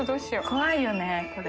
怖いよねこれ。